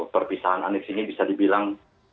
perpisahan anek sini bisa dibilang